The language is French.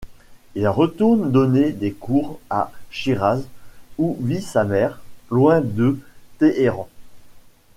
Il retourne donner des cours à Chiraz où vit sa mère, loin de Téhéran.